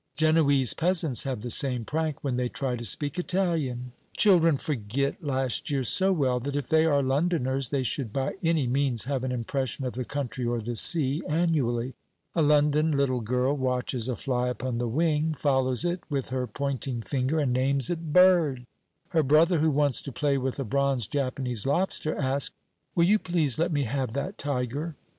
Genoese peasants have the same prank when they try to speak Italian. Children forget last year so well that if they are Londoners they should by any means have an impression of the country or the sea annually. A London little girl watches a fly upon the wing, follows it with her pointing finger, and names it "bird." Her brother, who wants to play with a bronze Japanese lobster, ask "Will you please let me have that tiger?"